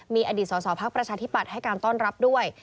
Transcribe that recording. มีอดีตสอสอพักประชาธิปัตย์ให้การต้อนรับด้วย